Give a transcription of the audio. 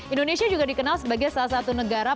indonesia juga dikenal sebagai salah satu negara